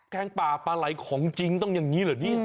งป่าปลาไหล่ของจริงต้องอย่างนี้เหรอนี่